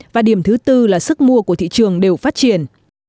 và điểm thứ tư là sức mua của thị trường đều phát triển